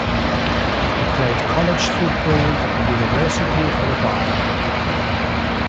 He played college football at the University of Alabama.